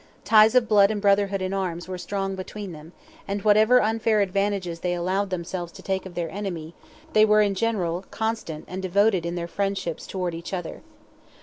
Ties of blood and brotherhood in arms were strong between them, and whatever unfair advantages they allowed themselves to take of their enemy, they were in general constant and devoted in their friendships towards each other.